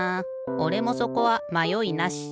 おれもそこはまよいなし。